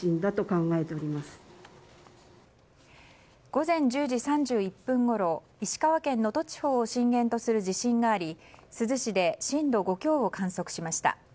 午前１０時３１分ごろ石川県能登地方を震源とする地震があり珠洲市で震度５強を観測しました。